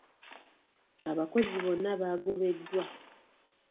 Abakozi bonna baagobeddwa.